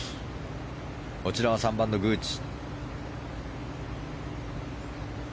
こちらは３番のグーチ。